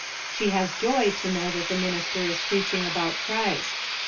She has joy to know that the minister is preaching about Christ.